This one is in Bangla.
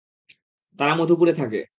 তারা মধুপুরে থাকে।